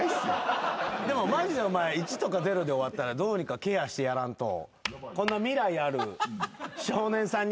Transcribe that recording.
でもマジでお前１とか０で終わったらどうにかケアしてやらんと。